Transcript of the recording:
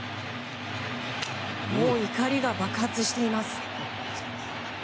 怒りが爆発しています。